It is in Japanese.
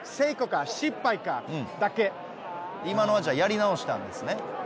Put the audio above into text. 今のはじゃあやり直したんですね？